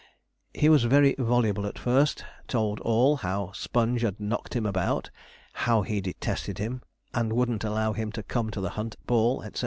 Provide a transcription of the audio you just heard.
He was very voluble at first told all how Sponge had knocked him about, how he detested him, and wouldn't allow him to come to the hunt ball, &c.